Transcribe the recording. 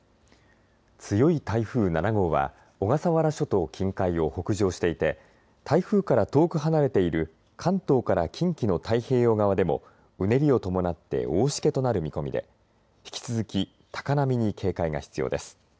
強い台風７号は小笠原諸島近海を北上していて台風から遠く離れている関東から近畿の太平洋側でもうねりを伴って大しけとなる見込みで引き続き高波に警戒が必要です。